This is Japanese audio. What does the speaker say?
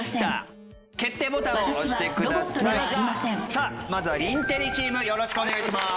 さあまずはインテリチームよろしくお願いします。